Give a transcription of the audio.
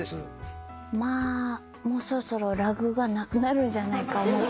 もうそろそろラグがなくなるんじゃないか。